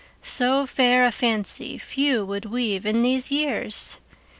So fair a fancy few would weave In these years!